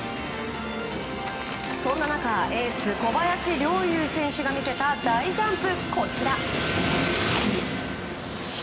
そんな中、エース小林陵侑選手が見せた大ジャンプ。